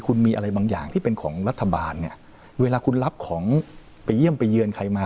คุณมีอะไรบางอย่างที่เป็นของรัฐบาลเนี่ยเวลาคุณรับของไปเยี่ยมไปเยือนใครมา